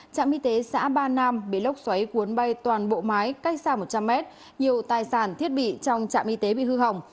trạm y tế xã ba nam bị lốc xoáy cuốn bay toàn bộ mái cách xa một trăm linh mét nhiều tài sản thiết bị trong trạm y tế bị hư hỏng